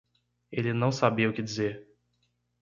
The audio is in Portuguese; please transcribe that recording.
Ele não sabia o que dizer.